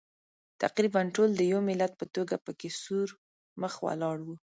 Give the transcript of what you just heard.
تقریباً ټول د یوه ملت په توګه پکې سور مخ ولاړ وو.